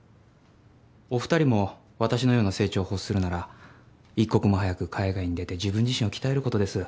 お二人も私のような成長を欲するなら一刻も早く海外に出て自分自身を鍛える事です。